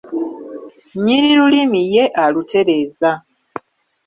Nnyini lulimi ye alutereeza.